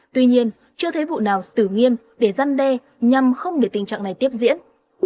tuy nhiên chưa thấy vụ nào xử nghiêm để gian đe nhằm không để tình trạng này tiếp diễn